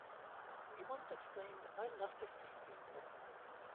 He once explained, I love to feed people.